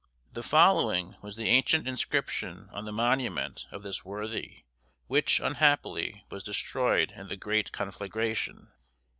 The following was the ancient inscription on the monument of this worthy, which, unhappily, was destroyed in the great conflagration.